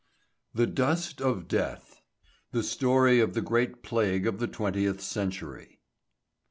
] THE DUST OF DEATH. The Story of the Great Plague of the Twentieth Century.